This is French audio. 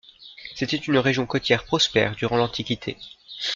C'était une région côtière prospère durant l'antiquité.